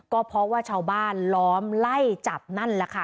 ก็เพราะว่าชาวบ้านล้อมไล่จับนั่นแหละค่ะ